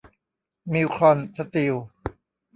มิลล์คอน สตีล